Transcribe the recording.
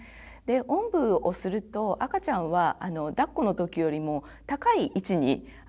おんぶをすると赤ちゃんはだっこの時よりも高い位置に顔がきます。